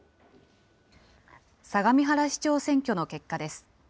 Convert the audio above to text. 相模原市長選挙の結果です。